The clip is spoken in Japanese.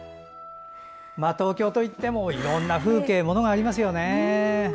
東京といってもいろんな風景、物がありますよね。